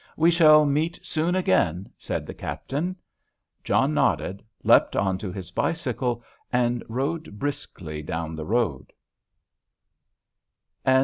"We shall meet soon again," said the captain. John nodded, leapt on to his bicycle, and rode briskly down the road.